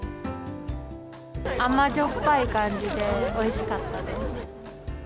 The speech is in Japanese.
甘じょっぱい感じで、おいしかったです。